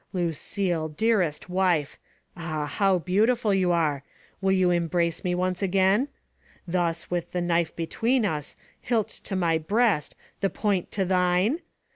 Lucille, dearest wife — ah, how beautiful you are — ^^will you em brace me once again? Thus, with the knife between us, the hilt to my breast, the point to thine?